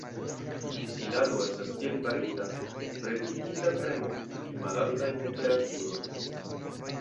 Distilado estas tiel farita sub reduktita premo ĉe pli malaltaj temperaturoj.